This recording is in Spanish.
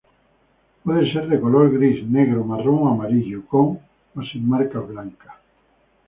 Puede ser de color gris, negro marrón o amarillo, con o sin marcas blancas.